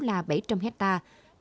là bảy trăm linh hectare